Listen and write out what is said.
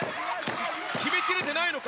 きめきれてないのか？